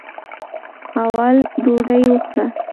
اول ډوډۍ وخوره.